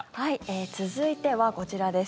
続いては、こちらです。